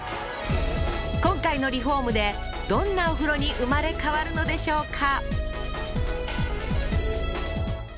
今回のリフォームでどんなお風呂に生まれ変わるのでしょうか？